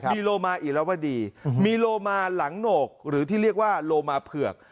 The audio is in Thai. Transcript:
มีโลมาอิลวดีมีโลมาหลังโหนกหรือที่เรียกว่าโลมาเผือก